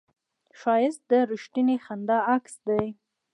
ښایست د رښتینې خندا عکس دی